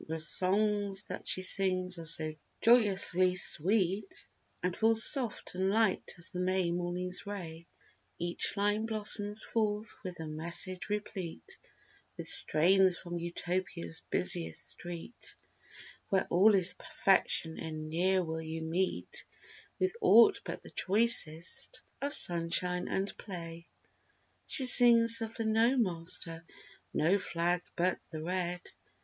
201 'rhe songs that she sings are so joyously sweet, And fall soft and light as the May morning's ray; Each line blossoms forth with a message replete, With strains from Utopia's busiest street; Where all is perfection, and ne'er will you meet With aught but the choicest of sunshine and play. She sings of "No Master!" "No Flag but the Red!"